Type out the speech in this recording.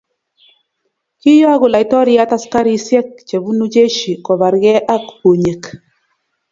kiiyoku laitoriat askarisiek chebunu jeshi kobargei ak bunyik.